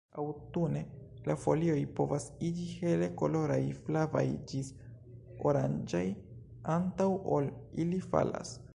Aŭtune la folioj povas iĝi hele koloraj, flavaj ĝis oranĝaj, antaŭ ol ili falas.